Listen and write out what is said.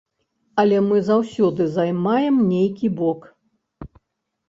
Але мы заўсёды займаем нейкі бок.